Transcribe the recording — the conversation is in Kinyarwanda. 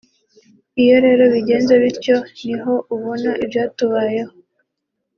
iyo rero bigenze bityo niho ubona ibyatubayeho